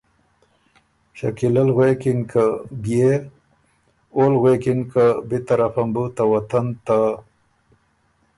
شکیلۀ ل غوېکِن که ”بيې؟“ اول غوېکِن که ”بی طرفه م بُو ته وطن ته